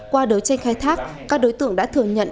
qua đấu tranh khai thác các đối tượng đã thừa nhận